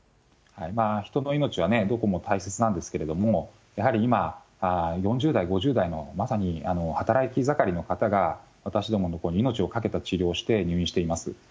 人の命は、どこも大切なんですけども、やはり今、４０代、５０代のまさに働き盛りの方が、私どものほうに命を懸けた治療をして、入院しています。